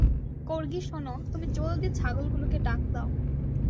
কর্গি শোনো, তুমি জলদি ছাগলগুলোকে ডাক দাও।